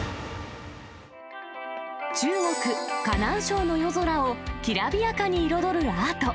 中国・河南省の夜空をきらびやかに彩るアート。